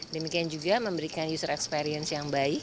demikian juga memberikan user experience yang baik